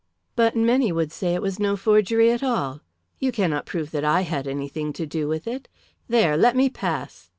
"But many would say it was no forgery at all. You cannot prove that I had anything to do with it. There, let me pass."